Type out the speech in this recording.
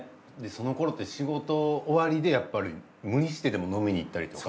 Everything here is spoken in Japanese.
そのころって仕事終わりでやっぱり無理してでも飲みに行ったりとか。